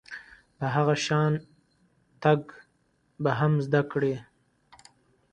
په هغه شان تګ به هم زده کړئ .